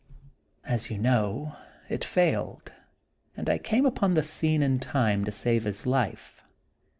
As you know, it failed, and I came upon the scene in time to save his life.